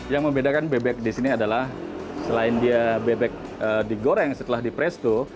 yang membedakan bebek di sini adalah selain dia bebek digoreng setelah di presto